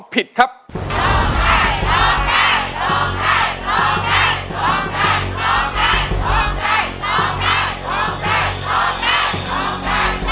ร้องได้ให้ร้อง